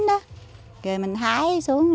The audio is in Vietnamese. rồi mình hái xuống